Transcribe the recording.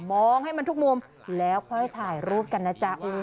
มองให้มันทุกมุมแล้วค่อยถ่ายรูปกันนะจ๊ะ